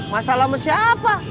masalah sama siapa